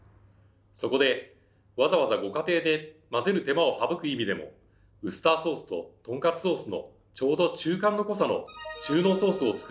そこでわざわざご家庭で混ぜる手間を省く意味でもウスターソースととんかつソースのちょうど中間の濃さの中濃ソースを作ったんです。